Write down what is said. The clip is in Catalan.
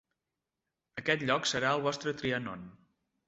Aquest lloc serà el vostre Trianon.